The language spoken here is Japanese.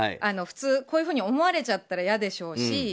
普通、こういうふうに思われちゃったら嫌ですし。